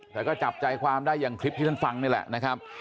แต่ก็จับใจความได้อย่างคลิปที่ท่านฟังนี่แหละนะครับ